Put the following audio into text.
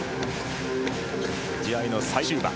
試合の最終盤。